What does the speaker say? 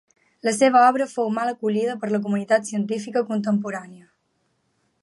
La seva obra fou mal acollida per la comunitat científica contemporània.